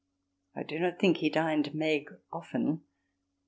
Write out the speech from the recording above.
I do not think he dined maigre often.